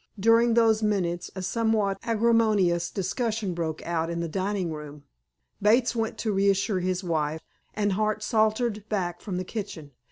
During those minutes a somewhat acrimonious discussion broke out in the dining room. Bates went to reassure his wife, and Hart sauntered back from the kitchen.